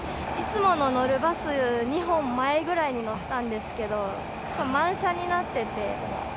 いつも乗るバス２本前ぐらいに乗ったんですけど、満車になってて。